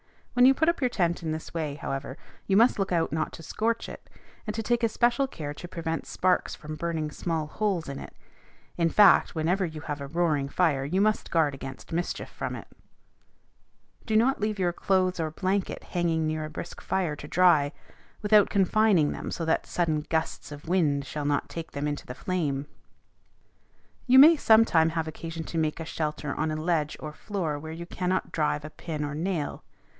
When you put up your tent in this way, however, you must look out not to scorch it, and to take especial care to prevent sparks from burning small holes in it. In fact, whenever you have a roaring fire you must guard against mischief from it. Do not leave your clothes or blanket hanging near a brisk fire to dry, without confining them so that sudden gusts of wind shall not take them into the flame. You may some time have occasion to make a shelter on a ledge or floor where you cannot drive a pin or nail.